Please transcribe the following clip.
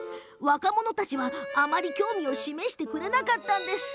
若者たちは、あまり興味を示してくれなかったのです。